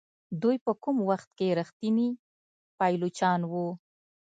دوی په کوم وخت کې ریښتوني پایلوچان وو.